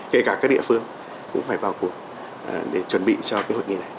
kể cả các địa phương cũng phải vào cuộc để chuẩn bị cho cái hội nghị này